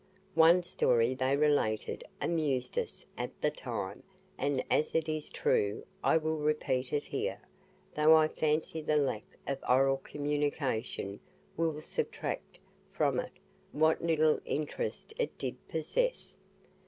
One story they related amused us at the time, and as it is true I will repeat it here, though I fancy the lack of oral communication will subtract from it what little interest it did possess.